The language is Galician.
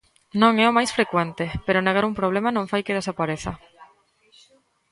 Non é o máis frecuente, pero negar un problema non fai que desapareza.